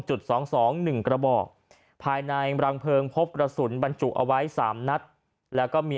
จุดสองสองหนึ่งกระบอกภายในรังเพลิงพบกระสุนบรรจุเอาไว้๓นัดแล้วก็มี